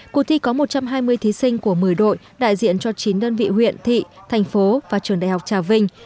cuộc thi có một trăm hai mươi thí sinh của một mươi đội đại diện cho chín đơn vị huyện thị thành phố và trường đại học trà vinh